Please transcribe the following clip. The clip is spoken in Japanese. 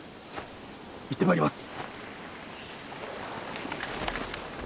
行ってまいります。